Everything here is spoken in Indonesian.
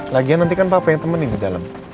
lagian nanti kan papa yang temenin ke dalam